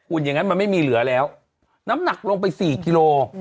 อย่างนั้นมันไม่มีเหลือแล้วน้ำหนักลงไป๔กิโล